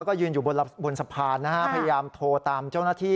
ก็ยืนอยู่บนสะพานนะฮะพยายามโทรตามเจ้าหน้าที่